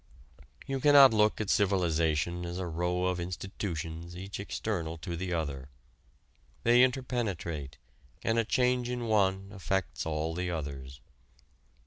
You cannot look at civilization as a row of institutions each external to the other. They interpenetrate and a change in one affects all the others.